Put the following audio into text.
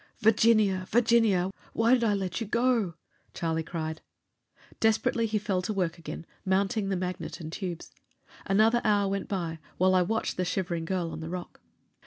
"Virginia! Virginia! Why did I let you go?" Charlie cried. Desperately he fell to work again, mounting the magnet and tubes. Another hour went by, while I watched the shivering girl on the rock.